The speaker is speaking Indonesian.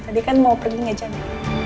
tadi kan mau pergi nggak jadi